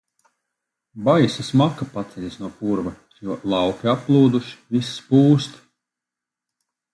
Baisa smaka paceļas no purva, jo lauki applūduši, viss pūst.